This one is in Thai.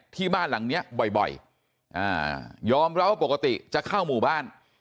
ที่บ้านหลังเนี้ยบ่อยยอมรับว่าปกติจะเข้าหมู่บ้าน